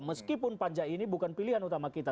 meskipun panja ini bukan pilihan utama kita